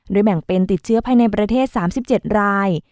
แบ่งเป็นติดเชื้อภายในประเทศ๓๗ราย